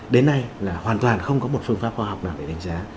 đến nay là hoàn toàn không có một phương pháp khoa học nào để đánh giá